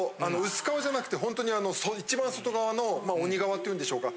薄皮じゃなくてほんとにあの一番外側の鬼皮っていうんでしょうか？